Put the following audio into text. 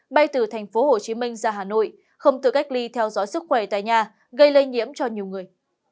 bay từ thành phố hồ chí minh ra hà nội không tự cách ly theo dõi sức khỏe tại nhà gây lây nhiễm cho nhiều người